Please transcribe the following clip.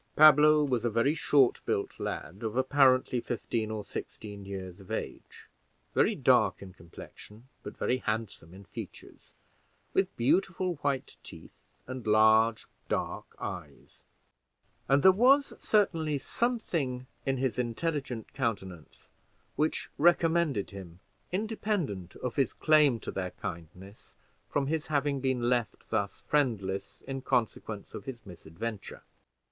Pablo was a very short built lad, of apparently fifteen or sixteen years of age, very dark in complexion, but very handsome in features, with beautiful white teeth and large dark eyes; and there was certainly something in his intelligent countenance which recommended him, independent of his claim to their kindness from his having been left thus friendless in consequence of his misadventure.